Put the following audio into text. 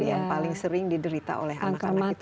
yang paling sering diderita oleh anak anak itu